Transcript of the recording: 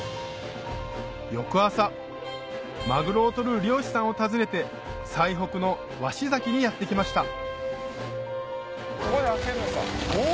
翌朝マグロを取る漁師さんを訪ねて最北の鷲崎にやって来ましたお！